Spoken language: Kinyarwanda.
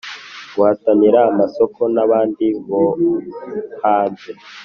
guhatanira amasoko n'abandi bo hanze.